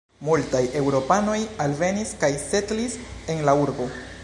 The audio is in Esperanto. Multaj eŭropanoj alvenis kaj setlis en la urbo.